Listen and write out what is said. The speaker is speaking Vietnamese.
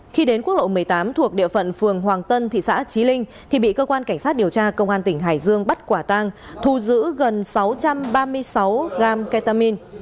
khi đến quốc lộ một mươi tám thuộc địa phận phường hoàng tân thị xã trí linh thì bị cơ quan cảnh sát điều tra công an tỉnh hải dương bắt quả tang thu giữ gần sáu trăm ba mươi sáu gram ketamin